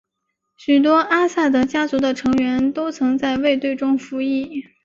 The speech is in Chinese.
许多阿萨德家族的成员都曾在卫队中服役。